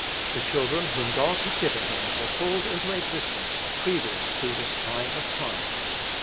The children whom God had given him were called into existence previous to this time of trial.